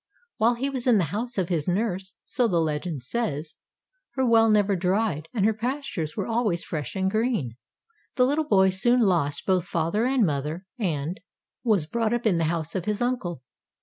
While he was in the house of his nurse, so the legend says, her well never dried and her pastures were always fresh and green. The little boy soon lost both father and mother, and was brought up in the house of his uncle.